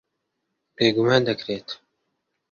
بێگومان دەکرێت.